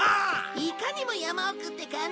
いかにも山奥って感じ。